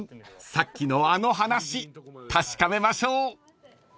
さっきのあの話確かめましょう］